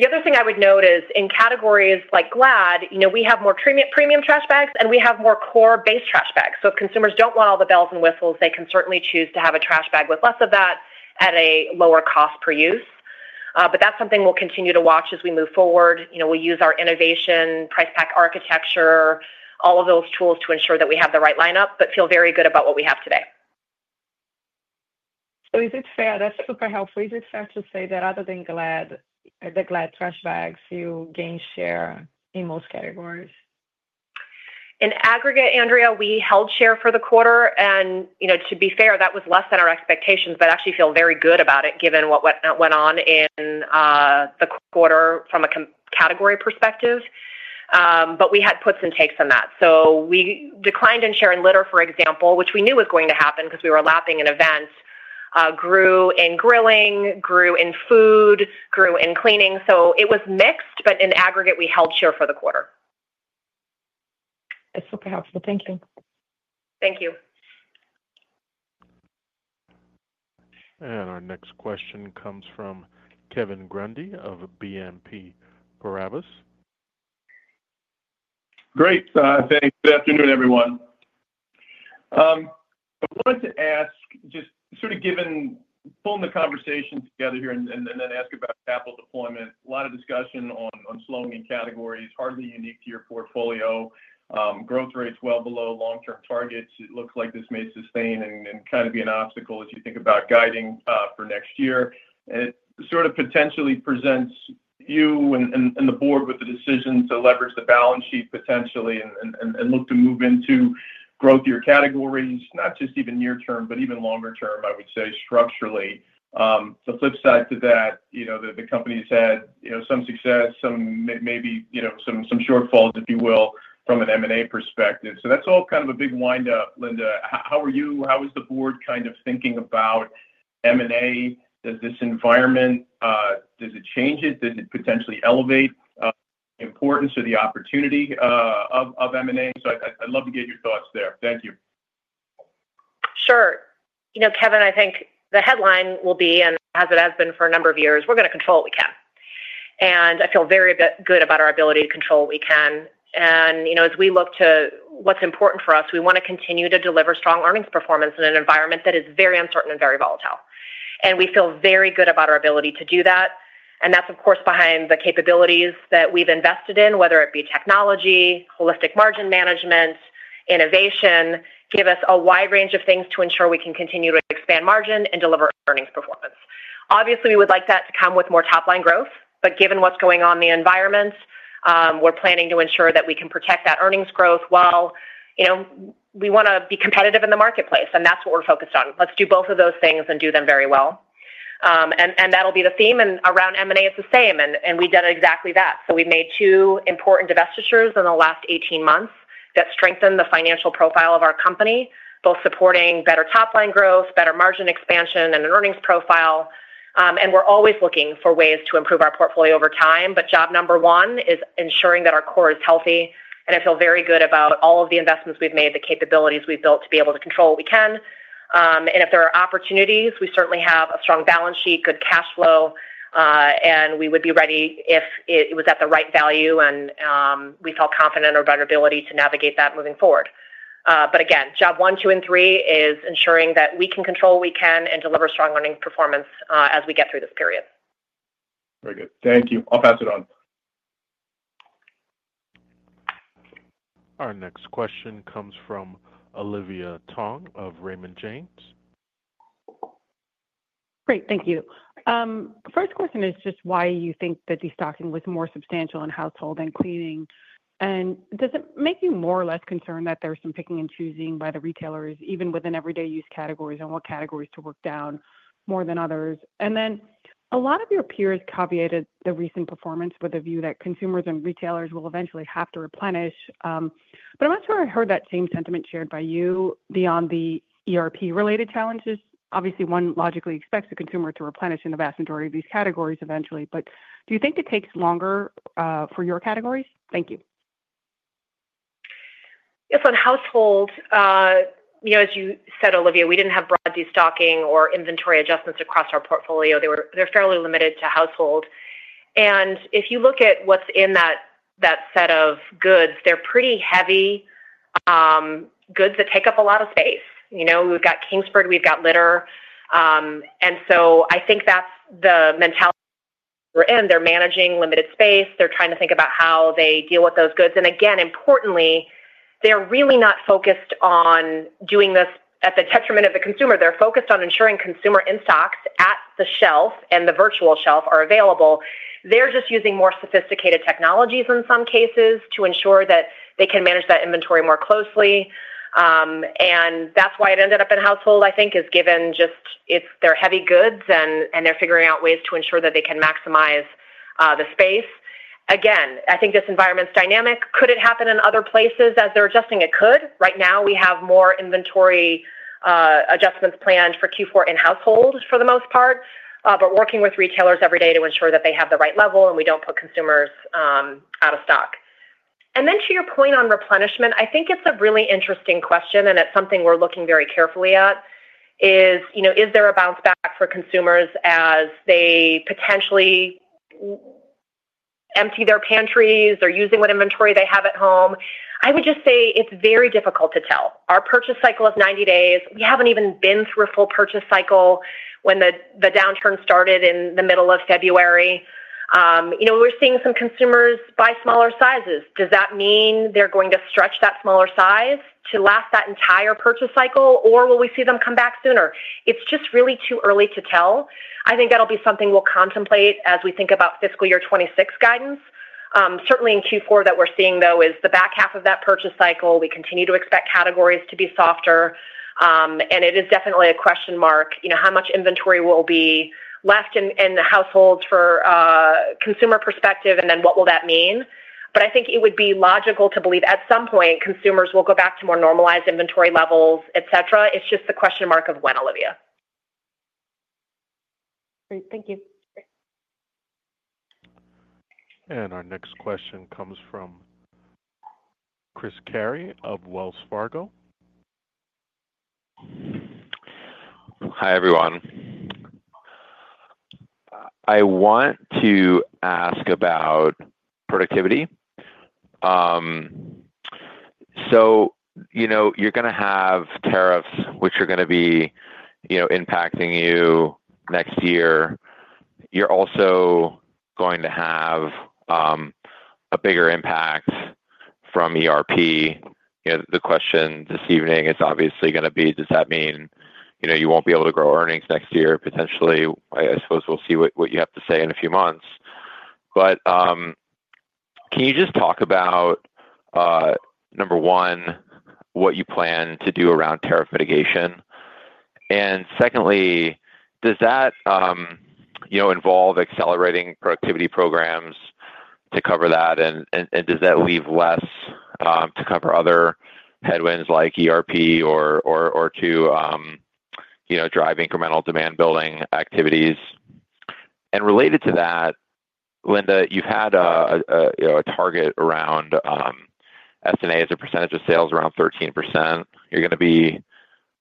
The other thing I would note is in categories like Glad, we have more premium trash bags, and we have more core base trash bags. If consumers do not want all the bells and whistles, they can certainly choose to have a trash bag with less of that at a lower cost per use. That is something we will continue to watch as we move forward. We use our innovation, price pack architecture, all of those tools to ensure that we have the right lineup, but feel very good about what we have today.
Is it fair to say that other than Glad, the Glad trash bags, you gain share in most categories?
In aggregate, Andrea, we held share for the quarter. To be fair, that was less than our expectations, but I actually feel very good about it given what went on in the quarter from a category perspective. We had puts and takes on that. We declined in share in litter, for example, which we knew was going to happen because we were lapping an event, grew in grilling, grew in food, grew in cleaning. It was mixed, but in aggregate, we held share for the quarter.
That's super helpful. Thank you.
Thank you.
Our next question comes from Kevin Grundy of BNP Paribas.
Great. Thanks. Good afternoon, everyone. I wanted to ask, just sort of pulling the conversation together here and then ask about Apple deployment. A lot of discussion on slowing in categories, hardly unique to your portfolio. Growth rate's well below long-term targets. It looks like this may sustain and kind of be an obstacle as you think about guiding for next year. It sort of potentially presents you and the board with the decision to leverage the balance sheet potentially and look to move into growth of your categories, not just even near-term, but even longer-term, I would say, structurally. The flip side to that, the company's had some success, maybe some shortfalls, if you will, from an M&A perspective. That's all kind of a big windup. Linda, how are you? How is the board kind of thinking about M&A? Does this environment, does it change it? Does it potentially elevate the importance or the opportunity of M&A? I would love to get your thoughts there. Thank you.
Sure. Kevin, I think the headline will be, as it has been for a number of years, we're going to control what we can. I feel very good about our ability to control what we can. As we look to what's important for us, we want to continue to deliver strong earnings performance in an environment that is very uncertain and very volatile. We feel very good about our ability to do that. That's, of course, behind the capabilities that we've invested in, whether it be technology, holistic margin management, innovation, give us a wide range of things to ensure we can continue to expand margin and deliver earnings performance. Obviously, we would like that to come with more top-line growth. Given what's going on in the environment, we're planning to ensure that we can protect that earnings growth while we want to be competitive in the marketplace. That's what we're focused on. Let's do both of those things and do them very well. That'll be the theme. Around M&A, it's the same. We've done exactly that. We've made two important divestitures in the last 18 months that strengthen the financial profile of our company, both supporting better top-line growth, better margin expansion, and an earnings profile. We're always looking for ways to improve our portfolio over time. Job number one is ensuring that our core is healthy. I feel very good about all of the investments we've made, the capabilities we've built to be able to control what we can. If there are opportunities, we certainly have a strong balance sheet, good cash flow, and we would be ready if it was at the right value and we felt confident in our ability to navigate that moving forward. Again, job one, two, and three is ensuring that we can control what we can and deliver strong earnings performance as we get through this period.
Very good. Thank you. I'll pass it on.
Our next question comes from Olivia Tong of Raymond James.
Great. Thank you. First question is just why you think that the stocking was more substantial in household and cleaning. Does it make you more or less concerned that there's some picking and choosing by the retailers, even within everyday use categories and what categories to work down more than others? A lot of your peers caveated the recent performance with a view that consumers and retailers will eventually have to replenish. I'm not sure I heard that same sentiment shared by you beyond the ERP-related challenges. Obviously, one logically expects a consumer to replenish in the vast majority of these categories eventually. Do you think it takes longer for your categories? Thank you.
Yes. On household, as you said, Olivia, we didn't have broad destocking or inventory adjustments across our portfolio. They're fairly limited to household. If you look at what's in that set of goods, they're pretty heavy goods that take up a lot of space. We've got Kingsford, we've got litter. I think that's the mentality we're in. They're managing limited space. They're trying to think about how they deal with those goods. Importantly, they're really not focused on doing this at the detriment of the consumer. They're focused on ensuring consumer in-stocks at the shelf and the virtual shelf are available. They're just using more sophisticated technologies in some cases to ensure that they can manage that inventory more closely. That is why it ended up in household, I think, given just they're heavy goods and they're figuring out ways to ensure that they can maximize the space. I think this environment's dynamic. Could it happen in other places as they're adjusting? It could. Right now, we have more inventory adjustments planned for Q4 in household for the most part, but working with retailers every day to ensure that they have the right level and we do not put consumers out of stock. To your point on replenishment, I think it's a really interesting question, and it's something we're looking very carefully at, is is there a bounce back for consumers as they potentially empty their pantries or are using what inventory they have at home? I would just say it's very difficult to tell. Our purchase cycle is 90 days. We haven't even been through a full purchase cycle when the downturn started in the middle of February. We're seeing some consumers buy smaller sizes. Does that mean they're going to stretch that smaller size to last that entire purchase cycle, or will we see them come back sooner? It's just really too early to tell. I think that'll be something we'll contemplate as we think about fiscal year 2026 guidance. Certainly in Q4 that we're seeing, though, is the back half of that purchase cycle, we continue to expect categories to be softer. It is definitely a question mark how much inventory will be left in the households for consumer perspective and then what will that mean. I think it would be logical to believe at some point consumers will go back to more normalized inventory levels, etc. It's just the question mark of when, Olivia.
Great. Thank you.
Our next question comes from Chris Carey of Wells Fargo.
Hi everyone. I want to ask about productivity. You're going to have tariffs, which are going to be impacting you next year. You're also going to have a bigger impact from ERP. The question this evening is obviously going to be, does that mean you won't be able to grow earnings next year potentially? I suppose we'll see what you have to say in a few months. Can you just talk about, number one, what you plan to do around tariff mitigation? Secondly, does that involve accelerating productivity programs to cover that? Does that leave less to cover other headwinds like ERP or to drive incremental demand-building activities? Related to that, Linda, you've had a target around S&A as a percentage of sales around 13%. You're going to be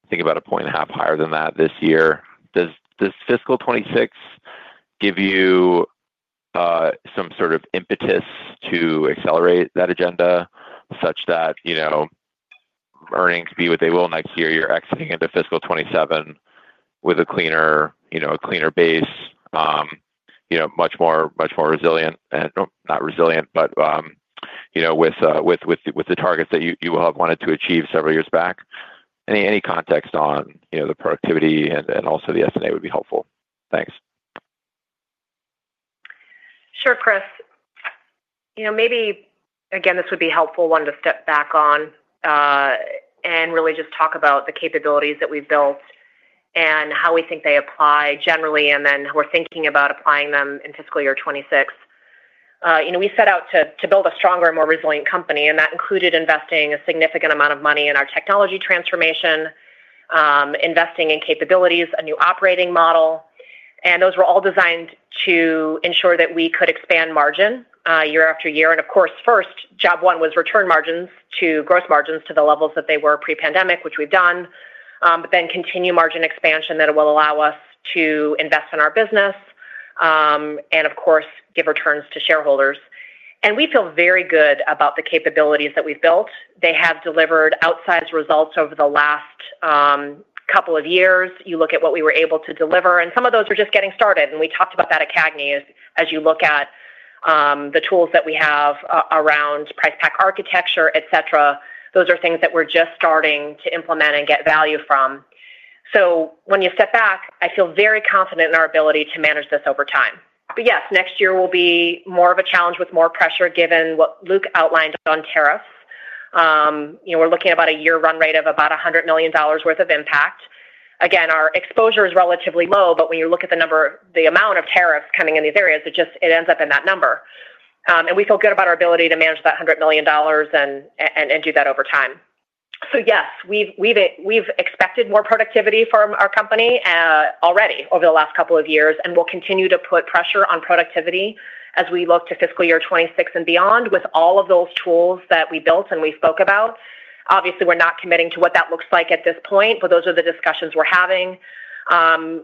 thinking about a point and a half higher than that this year. Does fiscal 2026 give you some sort of impetus to accelerate that agenda such that earnings be what they will next year? You're exiting into fiscal 2027 with a cleaner base, much more resilient, not resilient, but with the targets that you will have wanted to achieve several years back. Any context on the productivity and also the S&A would be helpful. Thanks.
Sure, Chris. Maybe, again, this would be helpful one to step back on and really just talk about the capabilities that we've built and how we think they apply generally, and then we're thinking about applying them in fiscal year 2026. We set out to build a stronger and more resilient company, and that included investing a significant amount of money in our technology transformation, investing in capabilities, a new operating model. Those were all designed to ensure that we could expand margin year after year. Of course, first, job one was return margins to gross margins to the levels that they were pre-pandemic, which we've done, but then continue margin expansion that will allow us to invest in our business and, of course, give returns to shareholders. We feel very good about the capabilities that we've built. They have delivered outsized results over the last couple of years. You look at what we were able to deliver. Some of those are just getting started. We talked about that at Cagney. As you look at the tools that we have around price pack architecture, etc., those are things that we're just starting to implement and get value from. When you step back, I feel very confident in our ability to manage this over time. Yes, next year will be more of a challenge with more pressure given what Luc outlined on tariffs. We're looking at about a year-run rate of about $100 million worth of impact. Again, our exposure is relatively low, but when you look at the number, the amount of tariffs coming in these areas, it ends up in that number. We feel good about our ability to manage that $100 million and do that over time. Yes, we've expected more productivity from our company already over the last couple of years, and we'll continue to put pressure on productivity as we look to fiscal year 2026 and beyond with all of those tools that we built and we spoke about. Obviously, we're not committing to what that looks like at this point, but those are the discussions we're having.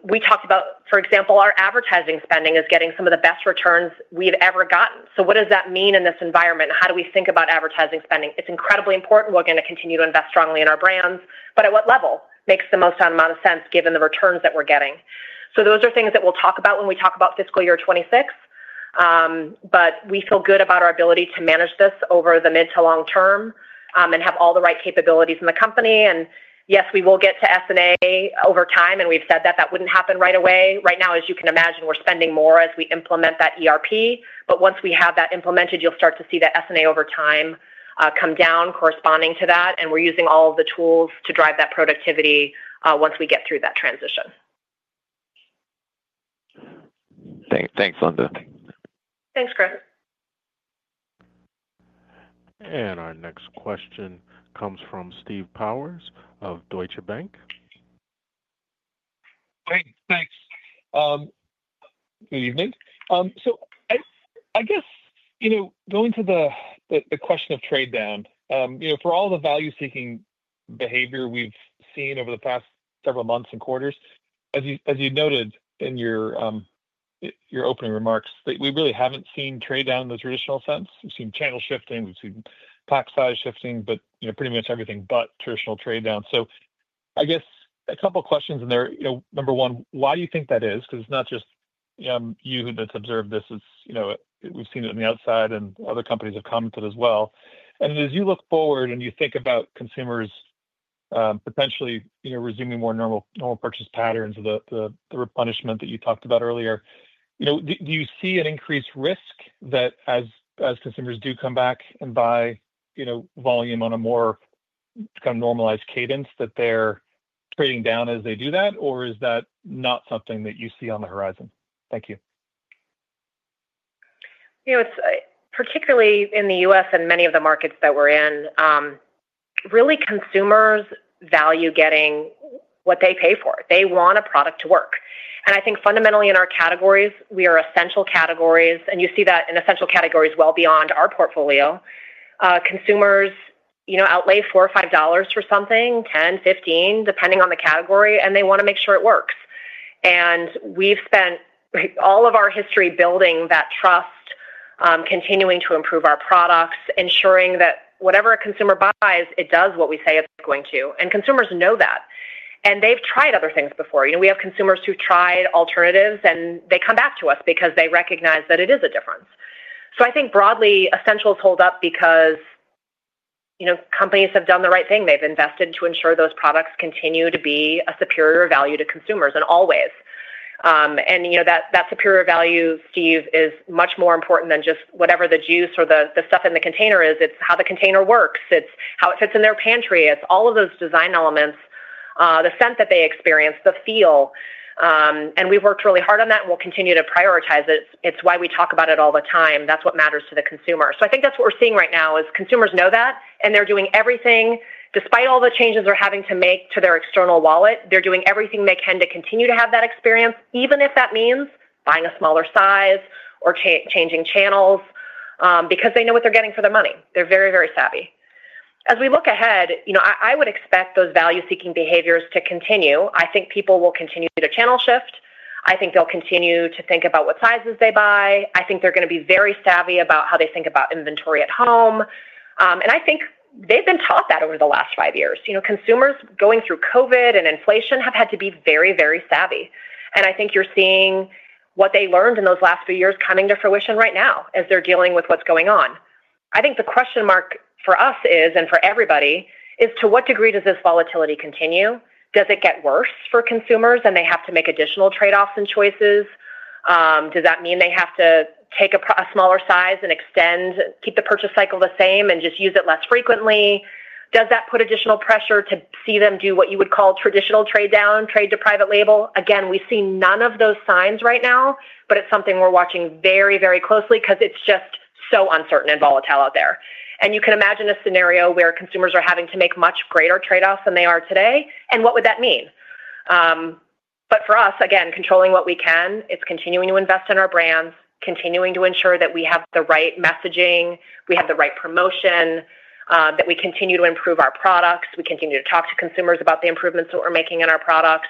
We talked about, for example, our advertising spending is getting some of the best returns we've ever gotten. What does that mean in this environment? How do we think about advertising spending? It's incredibly important. We're going to continue to invest strongly in our brands, but at what level makes the most amount of sense given the returns that we're getting? Those are things that we'll talk about when we talk about fiscal year 2026. We feel good about our ability to manage this over the mid to long term and have all the right capabilities in the company. Yes, we will get to S&A over time, and we've said that that would not happen right away. Right now, as you can imagine, we're spending more as we implement that ERP. Once we have that implemented, you'll start to see that S&A over time come down corresponding to that. We're using all of the tools to drive that productivity once we get through that transition.
Thanks, Linda.
Thanks, Chris.
Our next question comes from Steve Powers of Deutsche Bank.
Great. Thanks. Good evening. I guess going to the question of trade down, for all the value-seeking behavior we've seen over the past several months and quarters, as you noted in your opening remarks, we really haven't seen trade down in the traditional sense. We've seen channel shifting. We've seen pack size shifting, but pretty much everything but traditional trade down. I guess a couple of questions in there. Number one, why do you think that is? Because it's not just you who's observed this. We've seen it on the outside, and other companies have commented as well. As you look forward and you think about consumers potentially resuming more normal purchase patterns, the replenishment that you talked about earlier, do you see an increased risk that as consumers do come back and buy volume on a more kind of normalized cadence that they're trading down as they do that, or is that not something that you see on the horizon? Thank you.
Particularly in the U.S. and many of the markets that we're in, really consumers value getting what they pay for. They want a product to work. I think fundamentally in our categories, we are essential categories. You see that in essential categories well beyond our portfolio. Consumers outlay $4 or $5 for something, $10, $15, depending on the category, and they want to make sure it works. We've spent all of our history building that trust, continuing to improve our products, ensuring that whatever a consumer buys, it does what we say it's going to. Consumers know that. They've tried other things before. We have consumers who've tried alternatives, and they come back to us because they recognize that it is a difference. I think broadly, essentials hold up because companies have done the right thing. They've invested to ensure those products continue to be a superior value to consumers always. That superior value, Steve, is much more important than just whatever the juice or the stuff in the container is. It's how the container works. It's how it fits in their pantry. It's all of those design elements, the scent that they experience, the feel. We've worked really hard on that, and we'll continue to prioritize it. It's why we talk about it all the time. That's what matters to the consumer. I think that's what we're seeing right now is consumers know that, and they're doing everything despite all the changes they're having to make to their external wallet. They're doing everything they can to continue to have that experience, even if that means buying a smaller size or changing channels because they know what they're getting for their money. They're very, very savvy. As we look ahead, I would expect those value-seeking behaviors to continue. I think people will continue to channel shift. I think they'll continue to think about what sizes they buy. I think they're going to be very savvy about how they think about inventory at home. I think they've been taught that over the last five years. Consumers going through COVID and inflation have had to be very, very savvy. I think you're seeing what they learned in those last few years coming to fruition right now as they're dealing with what's going on. I think the question mark for us is, and for everybody, is to what degree does this volatility continue? Does it get worse for consumers and they have to make additional trade-offs and choices? Does that mean they have to take a smaller size and extend, keep the purchase cycle the same, and just use it less frequently? Does that put additional pressure to see them do what you would call traditional trade down, trade to private label? We see none of those signs right now, but it's something we're watching very, very closely because it's just so uncertain and volatile out there. You can imagine a scenario where consumers are having to make much greater trade-offs than they are today. What would that mean? For us, again, controlling what we can, it's continuing to invest in our brands, continuing to ensure that we have the right messaging, we have the right promotion, that we continue to improve our products, we continue to talk to consumers about the improvements that we're making in our products,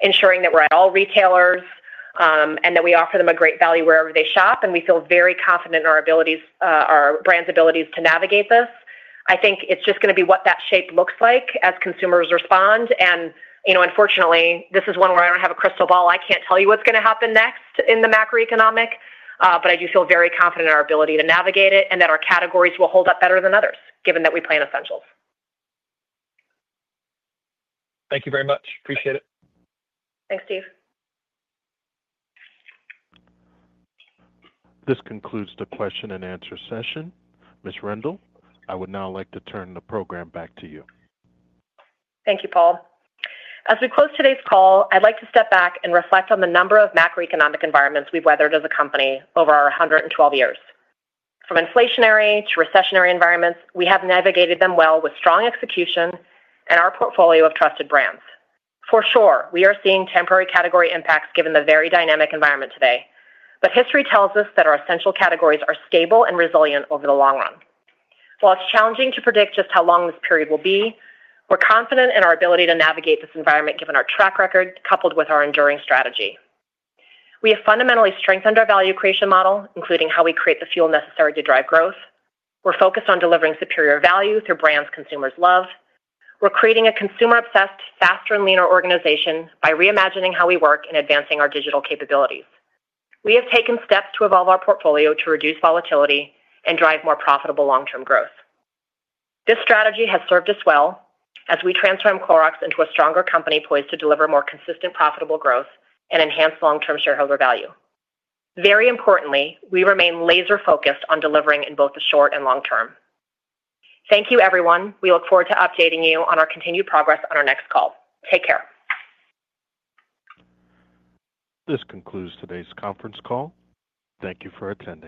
ensuring that we're at all retailers and that we offer them a great value wherever they shop. We feel very confident in our brand's abilities to navigate this. I think it's just going to be what that shape looks like as consumers respond. Unfortunately, this is one where I don't have a crystal ball. I can't tell you what's going to happen next in the macroeconomic, but I do feel very confident in our ability to navigate it and that our categories will hold up better than others, given that we play in essentials.
Thank you very much. Appreciate it.
Thanks, Steve.
This concludes the question and answer session. Ms. Rendle, I would now like to turn the program back to you.
Thank you, Paul. As we close today's call, I'd like to step back and reflect on the number of macroeconomic environments we've weathered as a company over our 112 years. From inflationary to recessionary environments, we have navigated them well with strong execution and our portfolio of trusted brands. For sure, we are seeing temporary category impacts given the very dynamic environment today. History tells us that our essential categories are stable and resilient over the long run. While it's challenging to predict just how long this period will be, we're confident in our ability to navigate this environment given our track record coupled with our enduring strategy. We have fundamentally strengthened our value creation model, including how we create the fuel necessary to drive growth. We're focused on delivering superior value through brands consumers love. We're creating a consumer-obsessed, faster, and leaner organization by reimagining how we work and advancing our digital capabilities. We have taken steps to evolve our portfolio to reduce volatility and drive more profitable long-term growth. This strategy has served us well as we transform Clorox into a stronger company poised to deliver more consistent, profitable growth and enhance long-term shareholder value. Very importantly, we remain laser-focused on delivering in both the short and long term. Thank you, everyone. We look forward to updating you on our continued progress on our next call. Take care.
This concludes today's conference call. Thank you for attending.